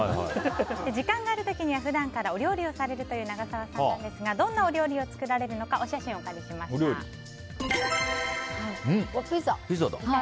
時間がある時には普段からお料理をされるという長澤さんなんですがどんなお料理を作られるのかピザだ。